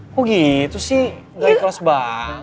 kok gitu sih gak ikhlas bang